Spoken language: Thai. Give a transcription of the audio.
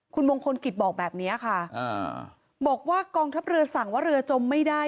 คุณมงคลกิจบอกแบบนี้ค่ะบอกว่ากองทัพเรือสั่งว่าเรือจมไม่ได้